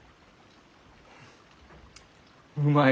うまい。